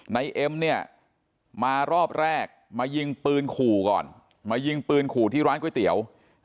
เอ็มเนี่ยมารอบแรกมายิงปืนขู่ก่อนมายิงปืนขู่ที่ร้านก๋วยเตี๋ยว